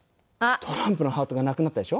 トランプのハートがなくなったでしょ？